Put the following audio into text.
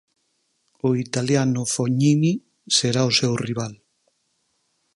O italiano Fognini será o seu rival.